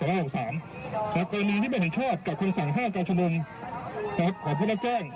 กรณีที่ไม่เห็นชอบกับคำสั่งห้ามการชุมนุมของผู้รับแจ้ง